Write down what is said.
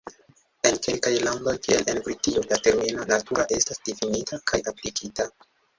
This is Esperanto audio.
En kelkaj landoj kiel en Britio la termino "natura" estas difinita kaj aplikita.